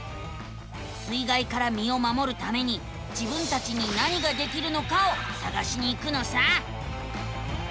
水がいからみをまもるために自分たちに何ができるのかをさがしに行くのさ。